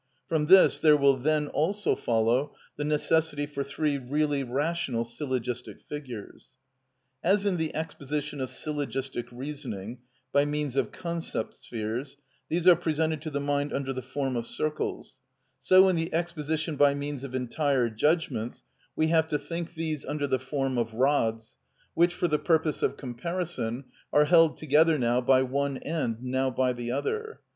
From this there will then also follow the necessity for three really rational syllogistic figures. As in the exposition of syllogistic reasoning by means of concept spheres these are presented to the mind under the form of circles, so in the exposition by means of entire judgments we have to think these under the form of rods, which, for the purpose of comparison, are held together now by one end, now by the other.